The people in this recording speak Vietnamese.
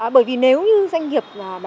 bởi vì nếu như doanh nghiệp mà